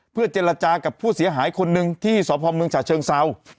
เพื่อเจรจากับผู้เสียหายคนหนึ่งที่สพเมืองฉะเชิงเศร้า